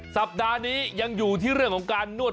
สัปดาห์นี้ยังอยู่ที่เรื่องของการนวด